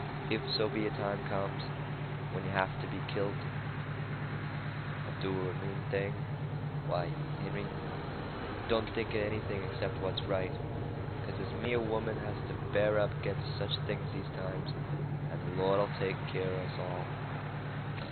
If so be a time comes when yeh have to be kilt or do a mean thing, why, Henry, don't think of anything 'cept what's right, because there's many a woman has to bear up 'ginst sech things these times, and the Lord'll take keer of us all.